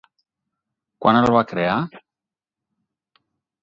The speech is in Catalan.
Quan el va crear?